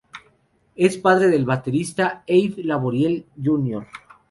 Es padre del baterista Abe Laboriel, Jr.